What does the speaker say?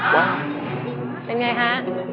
เป็นไงคะ